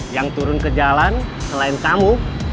yang turun ke jalan selain tamu